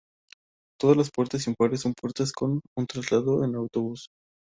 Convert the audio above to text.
Todas las puertas impares son puertas con un traslado en autobús.